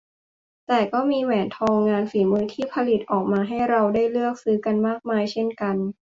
แต่ก็มีแหวนทองงานฝีมือที่ผลิตออกมาให้เราได้เลือกซื้อกันมากมายเช่นกัน